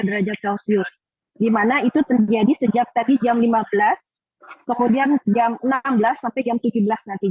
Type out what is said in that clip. empat puluh tiga derajat celcius dimana itu terjadi sejak tadi jam lima belas kemudian jam enam belas sampai jam tujuh belas nanti